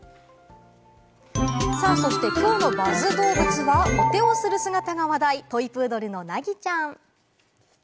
きょうのＢＵＺＺどうぶつは、お手をする姿が話題、トイプードルの凪ちゃん。